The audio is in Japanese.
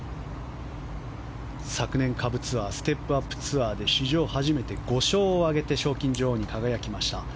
昨年、下部ツアーステップ・アップ・ツアーで史上初めて５勝を挙げて賞金女王に輝きました。